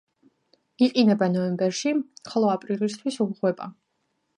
იყინება ნოემბერში, ხოლო აპრილისთვის ლღვება.